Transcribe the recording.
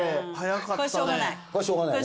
これしょうがない。